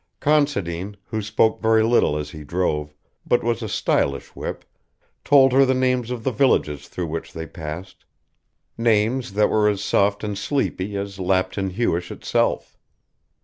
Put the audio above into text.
Considine, who spoke very little as he drove, but was a stylish whip, told her the names of the villages through which they passed, names that were as soft and sleepy as Lapton Huish itself.